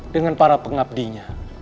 dengan para pengabdinya